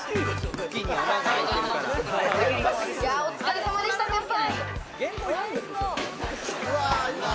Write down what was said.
お疲れ様でした先輩。